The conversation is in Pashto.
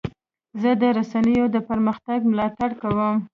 زه د رسنیو د پرمختګ ملاتړ کوم.